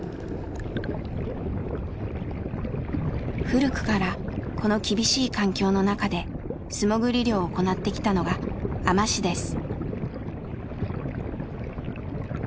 古くからこの厳しい環境の中で素もぐり漁を行ってきたのが海士です。